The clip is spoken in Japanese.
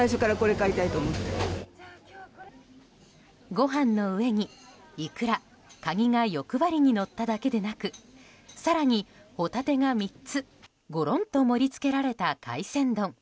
ご飯の上にイクラ、カニが欲張りにのっただけでなく更に、ホタテが３つゴロンと盛り付けられた海鮮丼。